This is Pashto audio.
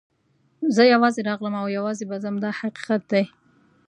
زه یوازې راغلم او یوازې به ځم دا حقیقت دی.